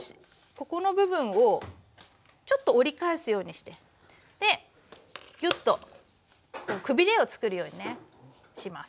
ここの部分をちょっと折り返すようにしてギュッとくびれをつくるようにねします。